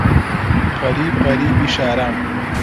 غەریب غەریبی شاران